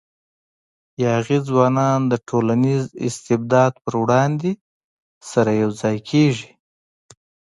یاغي ځوانان د ټولنیز استبداد پر وړاندې سره یو ځای کېږي.